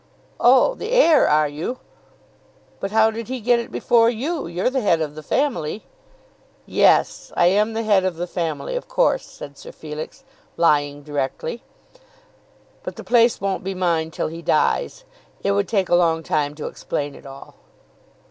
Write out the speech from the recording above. "Oh, the heir are you? But how did he get it before you? You're the head of the family?" "Yes, I am the head of the family, of course," said Sir Felix, lying directly. "But the place won't be mine till he dies. It would take a long time to explain it all."